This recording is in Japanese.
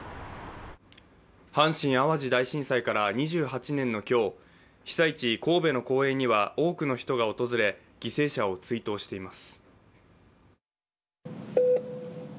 阪神・淡路大震災から２８年の今日、被災地・神戸の公園には多くの人が訪れ犠牲者を追悼しています。